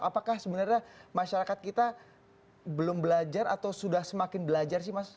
apakah sebenarnya masyarakat kita belum belajar atau sudah semakin belajar sih mas